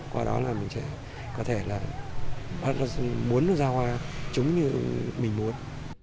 qua đó là mình có thể là muốn nó ra hoa trúng như mình muốn